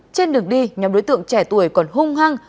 trên đường đi nhóm đối tượng trẻ tuổi còn hung hăng